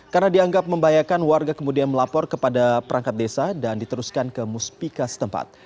karena dianggap membahayakan warga kemudian melapor kepada perangkat desa dan diteruskan ke muspika setempat